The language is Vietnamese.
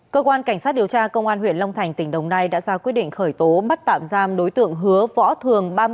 cơ quan cảnh sát điều tra công an huyện long thành tỉnh đồng nai đã ra quyết định khởi tố bắt tạm giam đối tượng hứa võ thường